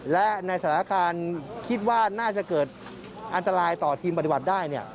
และในสถานการณ์คิดว่าน่าจะเกิดอันตรายต่อทีมปฏิบัติได้